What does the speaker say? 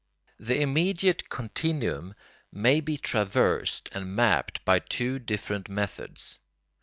The immediate continuum may be traversed and mapped by two different methods.